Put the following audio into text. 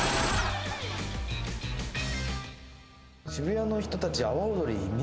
渋谷の人たち阿波踊り見